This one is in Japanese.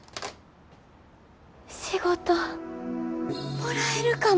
仕事もらえるかも。